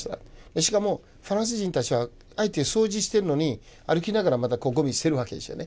しかもフランス人たちはあえて掃除してるのに歩きながらまたゴミ捨てるわけですよね。